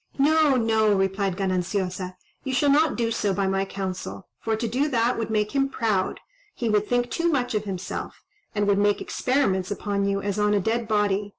"No, no," replied Gananciosa, "you shall not do so by my counsel; for to do that would make him proud; he would think too much of himself, and would make experiments upon you as on a dead body.